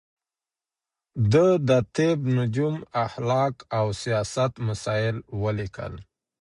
ده د طب، نجوم، اخلاق او سياست مسايل وليکل